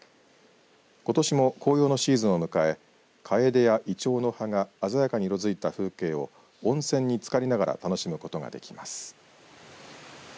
ことしも紅葉のシーズンを迎えかえでやいちょうの葉が鮮やかに色づいた風景を温泉につかりながら楽しむことができます。